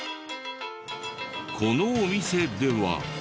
このお店では。